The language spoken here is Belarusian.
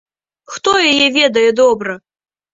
Хто яе ведае добра?